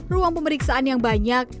ruang pemeriksaan yang banyak